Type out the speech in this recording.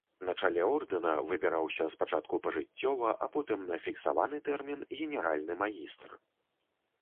На чале ордэна выбіраўся спачатку пажыццёва, а потым на фіксаваны тэрмін генеральны магістр.